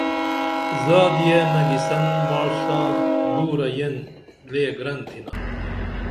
زادِیہ نگِسن ماݜ ساں دورہ یین لےگرن تِھنا